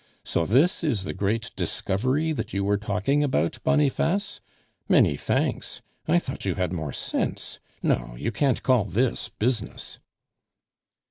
So this is the great discovery that you were talking about, Boniface! Many thanks! I thought you had more sense. No, you can't call this business."